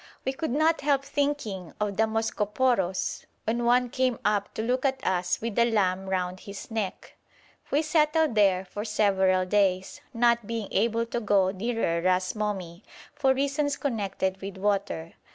We could not help thinking of the 'Moskophoros' when one came up to look at us with a lamb round his neck. We settled there for several days, not being able to go nearer Ras Momi for reasons connected with water.